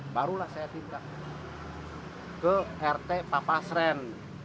barulah saya tindak ke rt papa sren